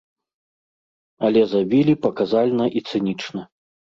Але забілі паказальна і цынічна.